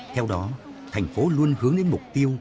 theo đó thành phố luôn hướng đến mục tiêu